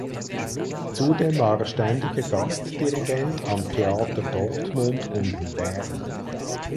Zudem war er ständiger Gastdirigent am Theater Dortmund und in Bern.